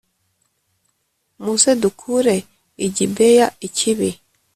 Muze dukure i Gibeya ikibi